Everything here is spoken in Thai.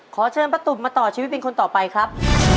ขอเชิญป้าตุ๋มมาต่อชีวิตเป็นคนต่อไปครับ